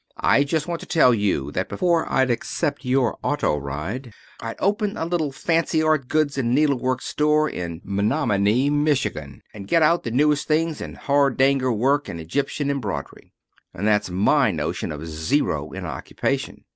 I just want to tell you that before I'd accept your auto ride I'd open a little fancy art goods and needlework store in Menominee, Michigan, and get out the newest things in Hardanger work and Egyptian embroidery. And that's my notion of zero in occupation.